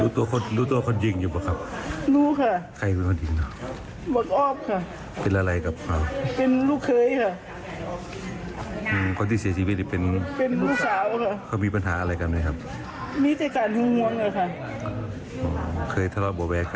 แต่ว่าพวกนั้นพวกมันแรงแบบความภาษีสัมมุติธรรมดาดีแหละ